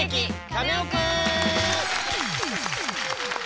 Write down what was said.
カネオくん」！